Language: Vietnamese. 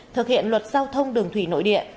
thực hiện luật giao thông đường thủy nội địa